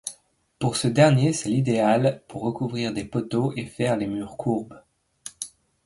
Pour ce dernier c’est l’idéal pour recouvrir des poteaux et faire les murs courbes.